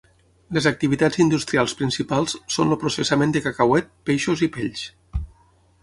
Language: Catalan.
Les activitats industrials principals són el processament de cacauet, peixos, i pells.